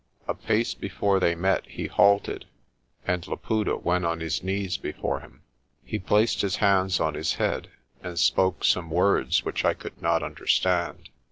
A pace before they met he halted, and Laputa went on his knees before him. He placed his hands on his head, and spoke some words which I could not understand.